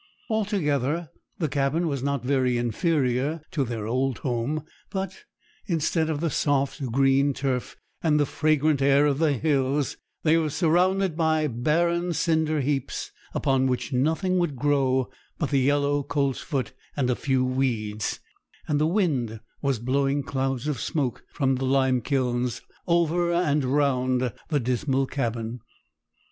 Altogether, the cabin was not very inferior to their old home; but, instead of the soft green turf and the fragrant air of the hills, they were surrounded by barren cinder heaps, upon which nothing would grow but the yellow coltsfoot and a few weeds, and the wind was blowing clouds of smoke from the limekilns over and round the dismal cabin.